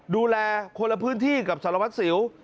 ดูแลคนละพื้นที่กับสารวัตรสิว